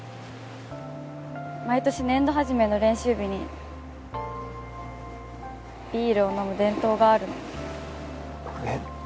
毎年年度初めの練習日にビールを飲む伝統があるのえッ？